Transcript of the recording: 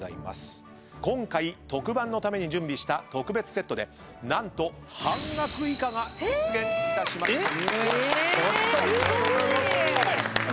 今回特番のために準備した特別セットで何と半額以下が実現いたしました。